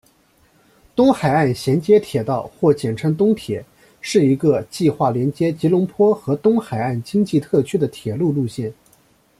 东海岸衔接铁道或简称东铁是一个计划连接吉隆坡和东海岸经济特区的铁路路线。